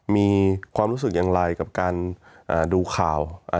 มีความรู้สึกว่ามีความรู้สึกว่า